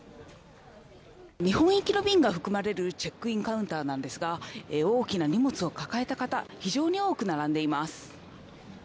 日本行きの便が含まれるチェックインカウンターなんですが、大きな荷物を抱えた方、非常に多く並んでます。